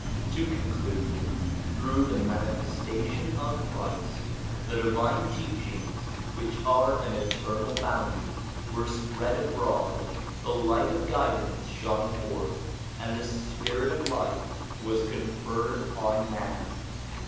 To conclude : through the manifestation of Christ, the divine teachings which are an eternal bounty, were spread abroad, the light of guidance shone forth, and the spirit of life was conferred on man.